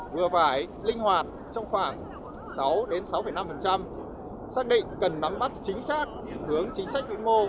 vừa phải linh hoạt trong khoảng sáu sáu năm xác định cần nắm bắt chính xác định hướng chính sách vĩ mô